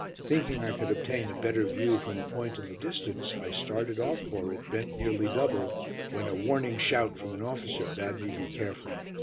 Thinking I could obtain a better view from a point in the distance, I started off for it, bent nearly double, when a warning shout from an officer bade me be careful.